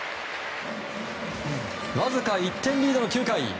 わずか１点リードの９回。